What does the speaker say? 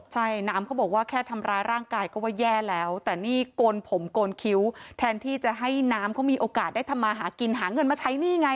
ใช่น้ำเขาบอกว่าแค่ทำร้ายร่างกายก็ว่าแย่แล้วแต่นี่โกนผมโกนคิ้วแทนที่จะให้น้ำเขามีโอกาสได้ทำมาหากินหาเงินมาใช้หนี้ไง